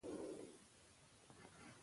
آیا تاسې په خپل ژوند کې هدف لرئ؟